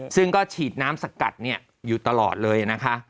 ซึ่งก็ฉีดน้ำสกัดอยู่ตลอดเลยนะคะ